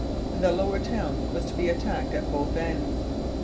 The Lower Town was to be attacked at both ends.